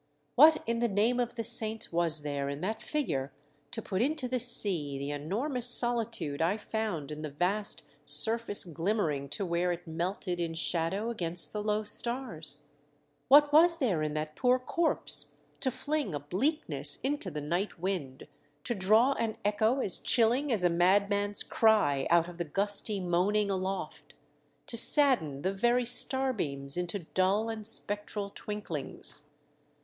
What in the name of the saints was there in that figure to put into the sea the enormous solitude I found in the vast surface glimmering to where it melted in shadow against the low stars ? What was there in that poor corpse to fling a bleak ness into the night wind, to draw an echo as chilling as a madman's cry out of the gusty moaning aloft, to sadden the very star beams into dull and spectral twinklings